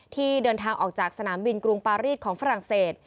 ที่เดินทางออกจากสนามบินกรุงปารีสของฝรั่งเศส